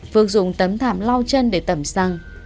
phước dùng tấm thảm lau chân để tẩm xăng